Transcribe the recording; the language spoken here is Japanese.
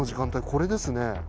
これですね。